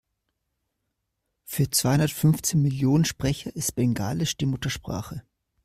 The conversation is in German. Für zweihundertfünfzehn Millionen Sprecher ist Bengalisch die Muttersprache.